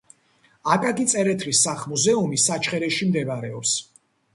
აკაკი წერეთლის სახლ-მუზეუმი საჩხერეში მდებარეობს.